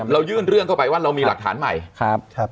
เรายื่นเรื่องเข้าไปว่าเรามีหลักฐานใหม่ครับ